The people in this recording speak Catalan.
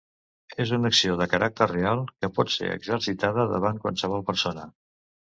És una acció de caràcter real, que pot ser exercitada davant qualsevol persona.